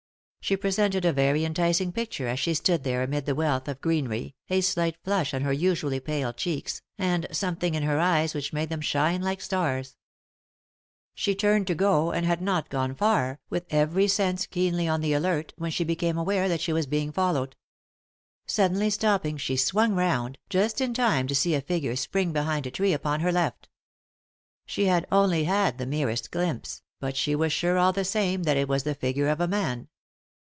She presented a very enticing picture as she stood there amid the wealth of greenery , a slight flush on her usually pale cheeks, and some thing in her eyes which made them shine like stars. She turned to go, and had not gone far, with every sense keenly on the alert,*when she became aware that she was being followed. Instead of hunting she was being hunted. Suddenly stopping, she swung round, just in time to see a figure spring behind a tree upon her left. She had only had the merest glimpse, but she was sure, ail the same, that it was the figure of a man.